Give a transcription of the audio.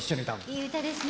いい歌ですね。